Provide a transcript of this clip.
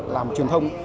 làm truyền thông